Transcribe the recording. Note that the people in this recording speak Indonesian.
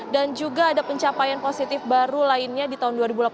dan juga ada pencapaian positif baru lainnya di tahun dua ribu delapan belas